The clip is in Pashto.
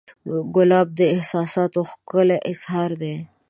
ګلاب د احساساتو ښکلی اظهار دی.